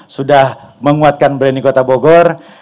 sudah menguatkan brand kota bogor